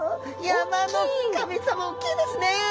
山の神様おっきいですね！